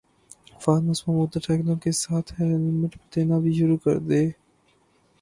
Fahad Mustafa motor سائیکلوں کے ساتھ ہیلمٹ دینا بھی شروع کردیں